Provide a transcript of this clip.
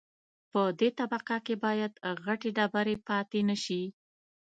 په دې طبقه کې باید غټې ډبرې پاتې نشي